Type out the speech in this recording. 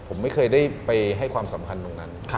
ผมไม่เคยได้ไปให้ความสำคัญตรงนั้น